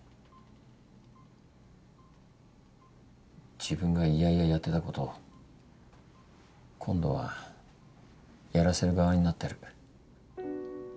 自分が嫌々やってたこと今度はやらせる側になってる。